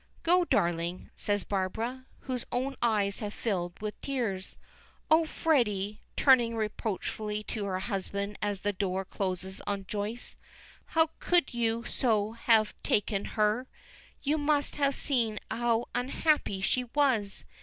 "Go, darling," says Barbara, whose own eyes have filled with tears. "Oh, Freddy," turning reproachfully to her husband as the door closes on Joyce, "how could you so have taken her? You must have seen how unhappy she was.